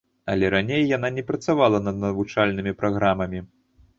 Але раней яна не працавала над навучальнымі праграмамі.